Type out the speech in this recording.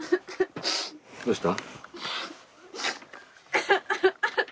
どうした？